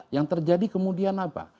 yang terjadi kemudian apa